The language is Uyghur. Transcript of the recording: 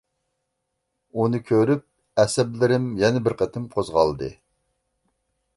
ئۇنى كۆرۈپ ئەسەبلىرىم يەنە بىر قېتىم قوزغالدى.